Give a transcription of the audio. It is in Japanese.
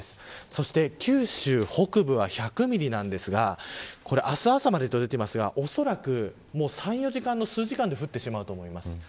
そして九州北部では１００ミリなんですが明日朝までと出ていますがおそらく３、４時間の数時間で降ってしまうと思います。